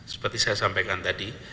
seperti saya sampaikan tadi